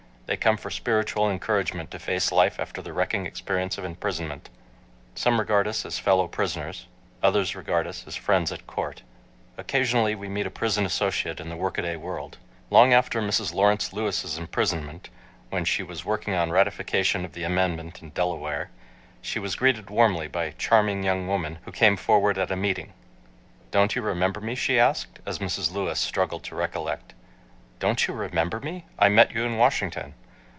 They come for spiritual encouragement to face life after the wrecking experience of imprisonment. Some regard us as "fellow prisoners." Others regard us as "friends at court." Occasionally we meet a prison associate in the workaday world. Long after Mrs. Lawrence Lewis' imprisonment, when she was working on ratification of the amendment in Delaware, she was greeted warmly by a charming young woman who came forward at a meeting. "Don't you remember me?" she asked, as Mrs. Lewis struggled to recollect. "Don't you remember me? I met you in Washington."